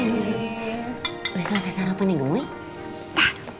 udah selesai sarapan udah selesai sarapan nih udah selesai sarapan